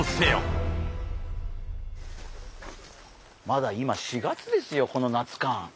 まだ今４月ですよこの夏感